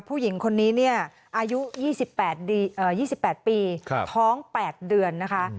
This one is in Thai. ผู้หญิงคนนี้เนี่ยอายุ๒๘ปีท้อง๘เดือนนะคะ